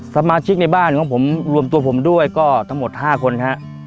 สมาชิกในบ้านของผมรวมตัวผมด้วยก็ทั้งหมด๕คนฮะ